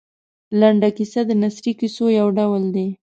لنډه کیسه د نثري کیسو یو ډول دی.